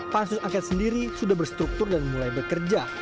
pansus angket sendiri sudah berstruktur dan mulai bekerja